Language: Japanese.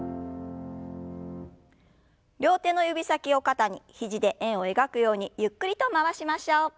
両手の指先を肩に肘で円を描くようにゆっくりと回しましょう。